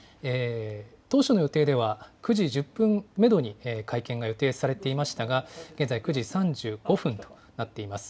当初の予定では、９時１０分メドに会見が予定されていましたが、現在、９時３５分となっています。